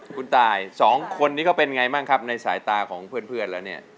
คุณตายสองคนนี้ก็เป็นไงบ้างครับในสายตาของเพื่อนแล้วเนี่ย